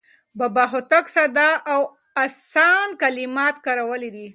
بابا هوتک ساده او اسان کلمات کارولي دي.